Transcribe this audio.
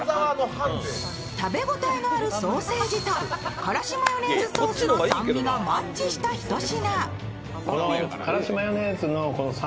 食べ応えのあるソーセージとからしマヨネーズソースの酸味がマッチした一品。